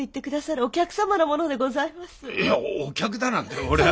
いやお客だなんて俺は。